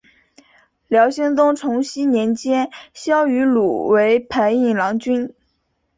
辽兴宗重熙年间萧迂鲁为牌印郎君。